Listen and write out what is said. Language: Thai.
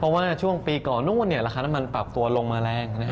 เพราะว่าช่วงปีก่อนนู้นราคาน้ำมันปรับตัวลงมาแรง